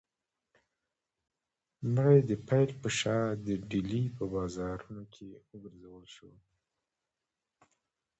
مړی د پیل په شا د ډیلي په بازارونو کې وګرځول شو.